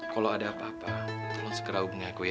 kalau ada apa apa tolong segera hubungi aku ya